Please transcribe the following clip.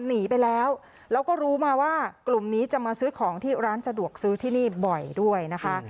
หนีไปแล้วแล้วก็รู้มาว่ากลุ่มนี้จะมาซื้อของที่ร้านสะดวกซื้อที่นี่บ่อยด้วยนะคะ